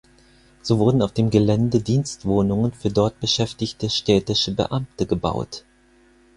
So wurden auf dem Gelände Dienstwohnungen für dort beschäftigte städtische Beamte gebaut.